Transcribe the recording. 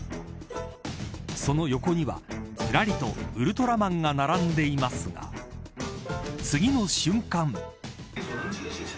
その横にはずらりとウルトラマンが並んでいますが次の瞬間。